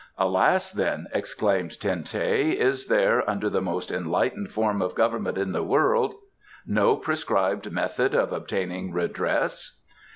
"Alas, then," exclaimed Ten teh, "is there, under the most enlightened form of government in the world, no prescribed method of obtaining redress?"